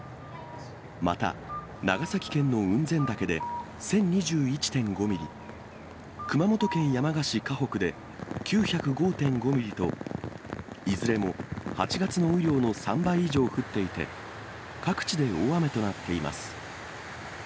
また、長崎県の雲仙岳で、１０２１．５ミリ、熊本県山鹿市鹿北で９０５．５ミリと、いずれも８月の雨量の３倍以上降っていて、各地で大雨となっています。